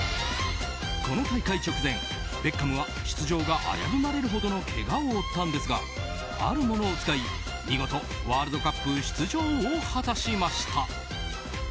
この大会直前、ベッカムは出場が危ぶまれるほどのけがを負ったんですがあるものを使い見事、ワールドカップ出場を果たしました。